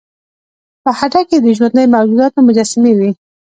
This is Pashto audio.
په هډه کې د ژوندیو موجوداتو مجسمې وې